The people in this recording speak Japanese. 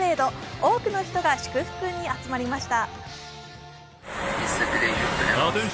多くの人が祝福に集まりました。